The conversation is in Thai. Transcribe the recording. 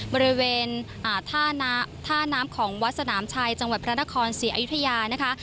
บริเวณท่าน้ำของวัดสนามชัยจังหวัดพระนครศรีอยุธยานะคะ